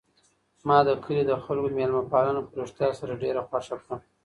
ما د کلي د خلکو مېلمه پالنه په رښتیا سره ډېره خوښه کړه.